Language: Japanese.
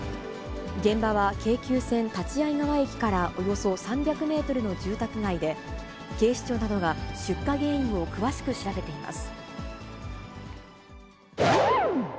現場は京急線立会川駅からおよそ３００メートルの住宅街で、警視庁などが出火原因を詳しく調べています。